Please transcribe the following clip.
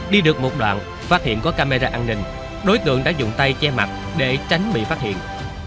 đi được một đoạn phát hiện có camera an ninh đối tượng đã dùng tay che mặt để tránh bị phát hiện